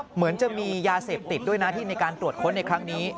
เหมือนจะมียาเสพติดด้วยนะที่ในการตรวจค้นในครั้งนี้